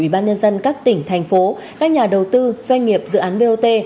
ủy ban nhân dân các tỉnh thành phố các nhà đầu tư doanh nghiệp dự án bot